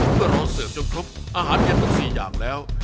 เมื่อเราเสิร์ฟจนครบอาหารเย็นทั้ง๔อย่างแล้ว